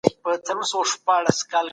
د جرګي فضا به له هر ډول تبعیض څخه پاکه وه.